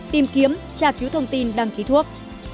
tìm kiếm tra cứu thông tin đăng ký thuốc